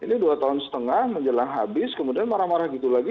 ini dua tahun setengah menjelang habis kemudian marah marah gitu lagi